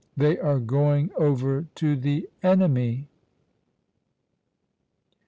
They are going over to the enemy!"